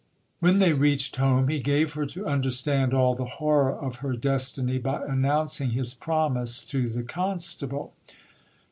When they reached home, he gave her to understand all the horror of her destiny, by announcing his promise to the constable.